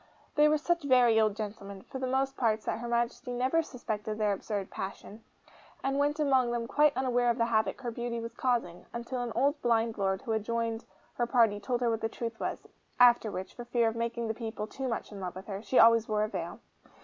They were such very old gentlemen for the most part that Her Majesty never suspected their absurd passion, and went among them quite unaware of the havoc her beauty was causing, until an old blind Lord who had joined her party told her what the truth was; after which, for fear of making the people too much in love with her, she always wore a veil.